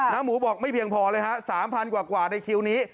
น้ำหมูบอกไม่เพียงพอเลยฮะสามพันกว่าในแควนี้